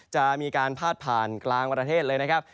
จะมีการพาดผ่านกลางประเทศเลยนะครับ